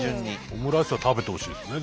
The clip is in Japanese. オムライスは食べてほしいですね